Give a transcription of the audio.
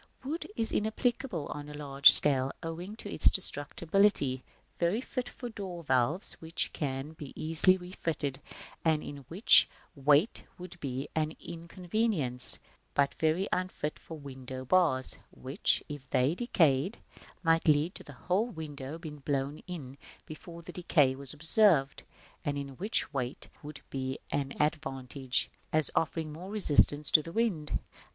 Wood is inapplicable on a large scale, owing to its destructibility; very fit for door valves, which can be easily refitted, and in which weight would be an inconvenience, but very unfit for window bars, which, if they decayed, might let the whole window be blown in before their decay was observed, and in which weight would be an advantage, as offering more resistance to the wind.